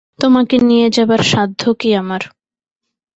তোমাকে নিয়ে যাবার সাধ্য কী আমার!